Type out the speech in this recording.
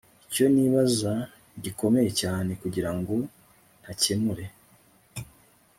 Icyo nikibazo gikomeye cyane kugirango ntakemure